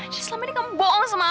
jadi selama ini kamu bohong sama aku